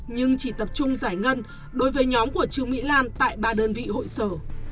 nhưng chỉ tập trung giải ngân đối với nhóm của trương mỹ lan tại ba đơn vị hội sở